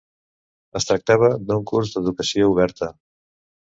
Es tractava d'un curs d'educació oberta.